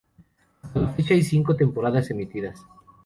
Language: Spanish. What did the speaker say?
Hasta la fecha hay cinco temporadas emitidas.